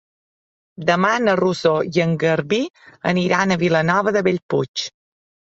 Demà na Rosó i en Garbí aniran a Vilanova de Bellpuig.